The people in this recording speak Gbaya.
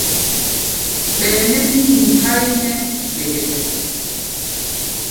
Ɓɛɛ́ nɛ mii háí nɛ́ɛ́ gɛgɛɗɛ.